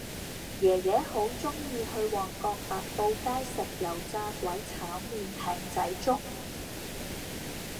爺爺好鍾意去旺角白布街食油炸鬼炒麵艇仔粥